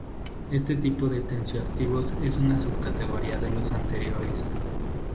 Este tipo de tensioactivos es una subcategoría de los anteriores.